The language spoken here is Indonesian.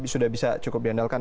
sudah bisa cukup diandalkan